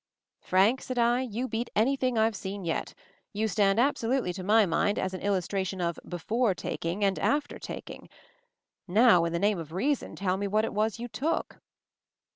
"Frank," said I, "you beat anything I've seen yet. You stand absolutely to my mind as an illustration of 'Before Taking' and 'After Taking/ Now in the name of reason tell me what it was you Took!"